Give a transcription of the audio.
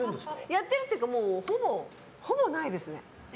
やってるっていうかほぼないですね。